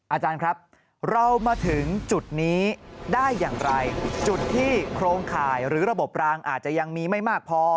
อาจารย์ครับเรามาถึงจุดนี้ได้อย่างไรจุดที่โครงข่ายหรือระบบรางอาจจะยังมีไม่มากพอ